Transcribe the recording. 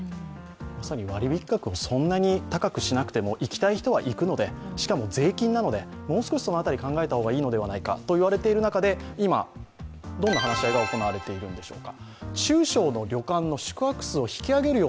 まさに割引額をそんなに高くしなくても、行きたい人は行くので、しかも税金なので、もう少し考えた方がいいのではないかといわれている中で今、どんな話し合いが行われているんでしょうか。